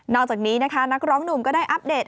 อกจากนี้นะคะนักร้องหนุ่มก็ได้อัปเดต